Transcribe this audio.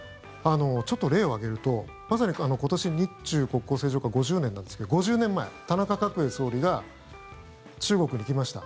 ちょっと例を挙げるとまさに今年日中国交正常化５０年なんですが５０年前、田中角栄総理が中国に行きました。